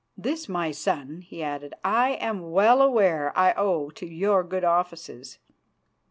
"This, my son," he added, "I am well aware I owe to your good offices."